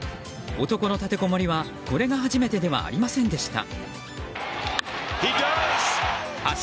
男の立てこもりはこれが初めてではありませんでした。